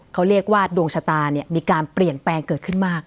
เขาเรียกว่าดวงชะตาเนี่ยมีการเปลี่ยนแปลงเกิดขึ้นมาก